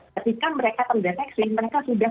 ketika mereka terdeteksi mereka sudah